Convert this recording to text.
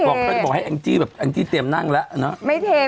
บอกให้แองจี้เตรียมนั่งแล้วเนอะ